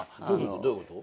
どういうこと？